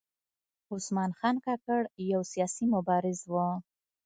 عثمان خان کاکړ یو سیاسي مبارز و .